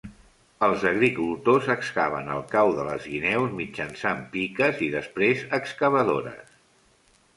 Els agricultors excaven el cau de les guineus mitjançant piques i després excavadores.